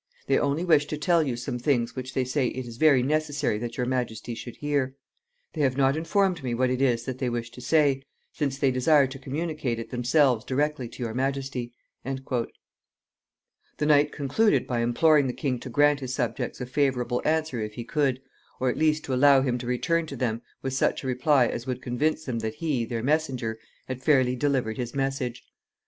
They only wish to tell you some things which they say it is very necessary that your majesty should hear. They have not informed me what it is that they wish to say, since they desire to communicate it themselves directly to your majesty." The knight concluded by imploring the king to grant his subjects a favorable answer if he could, or at least to allow him to return to them with such a reply as would convince them that he, their messenger, had fairly delivered his message.